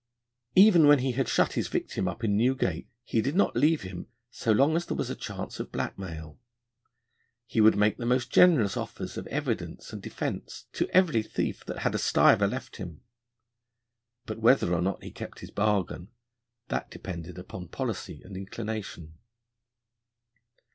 Even when he had shut his victim up in Newgate, he did not leave him so long as there was a chance of blackmail. He would make the most generous offers of evidence and defence to every thief that had a stiver left him. But whether or not he kept his bargain that depended upon policy and inclination.